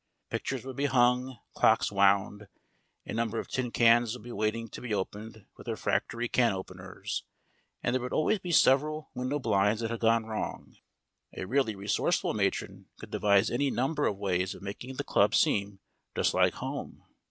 Pictures would be hung, clocks wound, a number of tin cans would be waiting to be opened with refractory can openers, and there would always be several window blinds that had gone wrong. A really resourceful matron could devise any number of ways of making the club seem just like home.